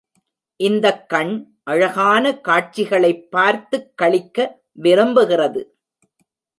இந்தக் கண் அழகான காட்சிகளைப் பார்த்துக் களிக்க விரும்புகிறது.